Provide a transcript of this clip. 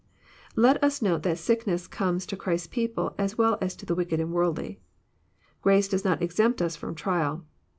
Let us note that sickness comes to Christ's people as well as to the wicked and worldly. Grace does not exempt ns A*om trial.